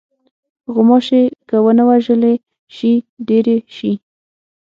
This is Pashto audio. غوماشې که ونه وژلې شي، ډېرې شي.